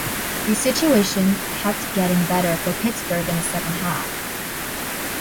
The situation kept getting better for Pittsburgh in the second half.